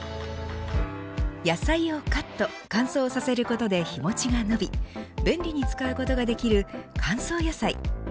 野菜をカット乾燥させることで日持ちが伸び便利に使うことができる乾燥野菜。